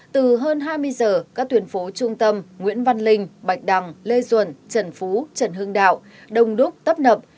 từ hơn hai mươi giờ các tuyển phố trung tâm nguyễn văn linh bạch đằng lê duẩn trần phú trần hưng đạo đông đúc tấp nập